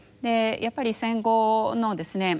やっぱり戦後のですね